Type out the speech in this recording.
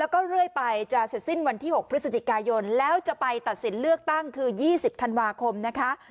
แล้วก็เรื่อยไปจะเสร็จสิ้นวันที่๖พฤศจิกายนแล้วจะไปตัดสินเลือกตั้งคือ๒๐ธันวาคมนะคะ